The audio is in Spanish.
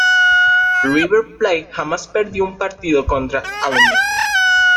River Plate jamás perdió un partido contra Alumni.